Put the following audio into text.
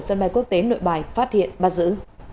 sân bay quốc tế nội bài phát hiện bắt giữ